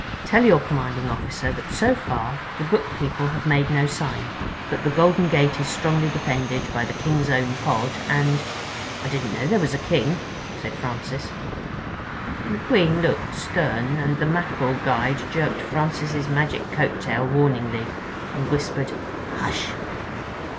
Tell your commanding officer that so far the Book People have made no sign, but the golden gate is strongly defended by the King's Own Cod, and—" "I didn't know there was a King," said Francis. The Queen looked stern, and the Mackerel guide jerked Francis's magic coattail warningly and whispered "Hush!"